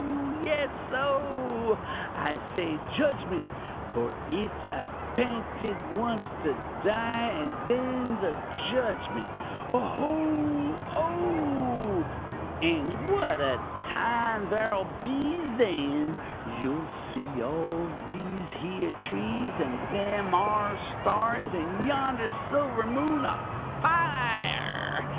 yes! oh! I say judgment for it's appinted once to die and then the judgment oho! oh! And what a time ther'll be then! You'll see all these here trees and them 'are stars, and yonder silver moon afire!